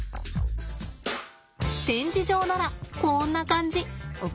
展示場ならこんな感じ。